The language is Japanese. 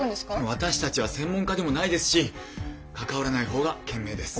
私たちは専門家でもないですし関わらない方が賢明です。